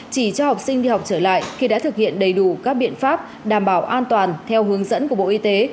chỉ cho học sinh đi học trở lại khi đã thực hiện đầy đủ các biện pháp đảm bảo an toàn theo hướng dẫn của bộ y tế